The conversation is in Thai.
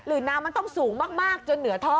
น้ำมันต้องสูงมากจนเหนือท่อ